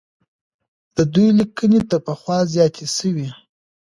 د دوی ليکنې تر پخوا زياتې سوې.